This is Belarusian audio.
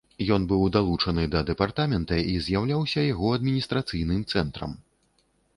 Ён быў далучаны да дэпартамента і з'яўляўся яго адміністрацыйным цэнтрам.